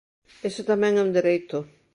Ese tamén é un dereito.